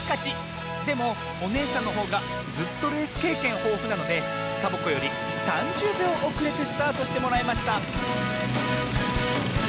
でもおねえさんのほうがずっとレースけいけんほうふなのでサボ子より３０びょうおくれてスタートしてもらいました